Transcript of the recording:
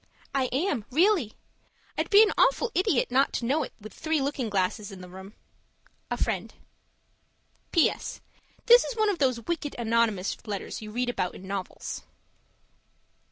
I am, really. I'd be an awful idiot not to know it with three looking glasses in the room. A Friend PS. This is one of those wicked anonymous letters you read about in novels.